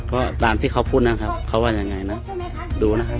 ก็ตามที่เขาพูดนะครับเขาว่ายังไงนะดูนะครับ